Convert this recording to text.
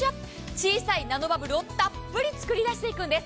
小さいナノバブルをたっぷり作り出していくんです。